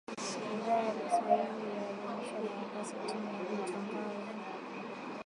Idhaa ya Kiswahili yaadhimisha miaka sitini ya Matangazo.